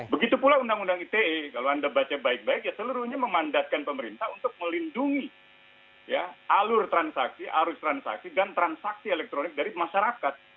begitu pula undang undang ite kalau anda baca baik baik ya seluruhnya memandatkan pemerintah untuk melindungi alur transaksi arus transaksi dan transaksi elektronik dari masyarakat